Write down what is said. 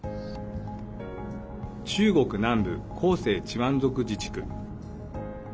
中国南部広西チワン族自治区。